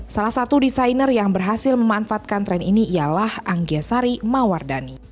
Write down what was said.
salah satu desainer yang berhasil memanfaatkan tren ini ialah anggia sari mawardani